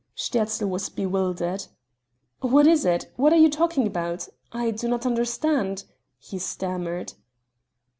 Sterzl was bewildered: "What is it what are you talking about? I do not understand," he stammered.